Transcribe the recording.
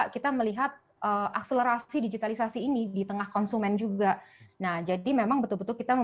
kita melihat akselerasi digitalisasi ini di tengah konsumen juga nah jadi memang betul betul kita